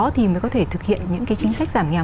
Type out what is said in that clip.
thì mới có thể thực hiện những cái chính sách giảm nghèo